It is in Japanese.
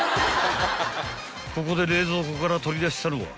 ［ここで冷蔵庫から取り出したのは］